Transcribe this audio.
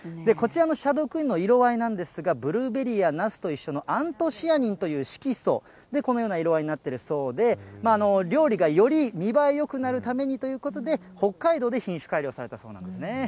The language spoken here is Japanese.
シャドークイーンの色合いなんですが、ブルーベリーやなすと一緒のアントシアニンという色素で、このような色合いになっているそうで、料理がより見栄えよくなるようにということで、北海道で品種改良されたそうなんですね。